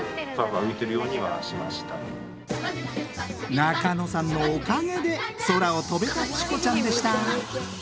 中野さんのおかげで空を飛べたチコちゃんでした。